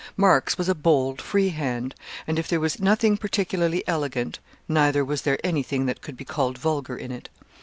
Mark's was a bold, free hand, and if there was nothing particularly elegant, neither was there anything that could be called vulgar in it.